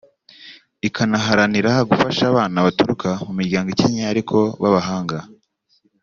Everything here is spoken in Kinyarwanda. ikanaharanira gufasha abana baturuka mu miryango ikennye ariko b’abahanga